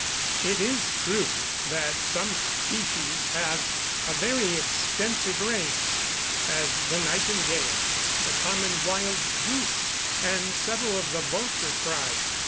It is true that some species have a very extensive range, as the nightingale, the common wild goose, and several of the vulture tribe.